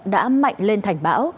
đã mạnh lên thành bão